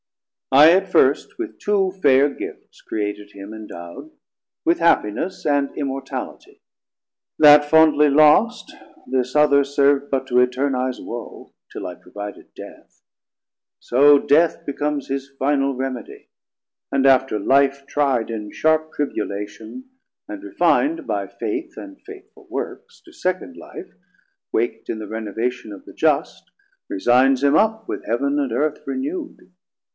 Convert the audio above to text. I at first with two fair gifts Created him endowd, with Happiness And Immortalitie: that fondly lost, This other serv'd but to eternize woe; 60 Till I provided Death; so Death becomes His final remedie, and after Life Tri'd in sharp tribulation, and refin'd By Faith and faithful works, to second Life, Wak't in the renovation of the just, Resignes him up with Heav'n and Earth renewd.